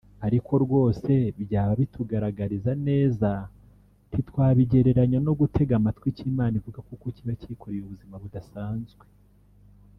ariko rwose byaba bitugaragarira neza ntiwabigereranya no gutega amatwi icyo Imana ivuga kuko kiba cyikoreye ubuzima budasanzwe